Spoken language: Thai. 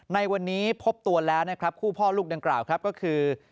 ในวันนี้พบตัวแล้วนะครับคู่พ่อลูกดังกล่าวครับก็คือ